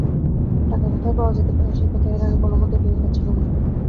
টাকা কোথায় পাওয়া যেতে পারে সে কথা এর আগে কোনোমতেই ভেবে পাচ্ছিলুম না।